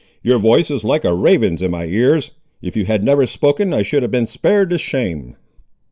"Your voice is like a raven's in my ears. If you had never spoken, I should have been spared this shame."